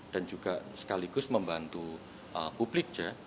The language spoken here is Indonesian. dan juga sekaligus membantu publik ya